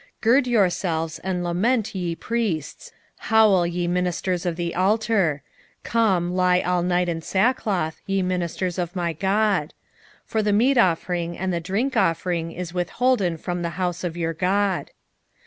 1:13 Gird yourselves, and lament, ye priests: howl, ye ministers of the altar: come, lie all night in sackcloth, ye ministers of my God: for the meat offering and the drink offering is withholden from the house of your God.